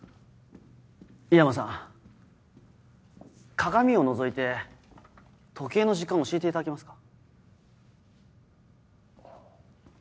鏡をのぞいて時計の時間を教えていただけますか？